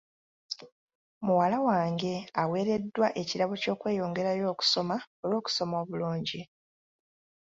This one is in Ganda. Muwala wange aweereddwa ekirabo ky'okweyongerayo okusoma olw'okusoma obulungi.